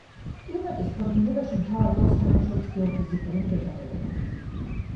კლიმატის ფორმირებაში მთავარ როლს თამაშობს გეოფიზიკური მდებარეობა.